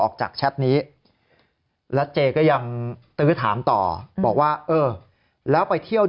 แชทนี้แล้วเจก็ยังตื้อถามต่อบอกว่าเออแล้วไปเที่ยว